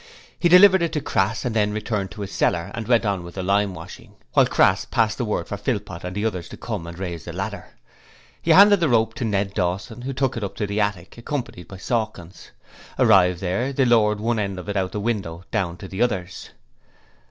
He delivered it to Crass and then returned to his cellar and went on with the limewashing, while Crass passed the word for Philpot and the others to come and raise the ladder. He handed the rope to Ned Dawson, who took it up to the attic, accompanied by Sawkins; arrived there they lowered one end out of the window down to the others.